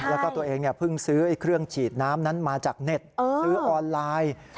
แล้วก็ตัวเองเพิ่งซื้อเครื่องฉีดน้ำนั้นมาจากเน็ตซื้อออนไลน์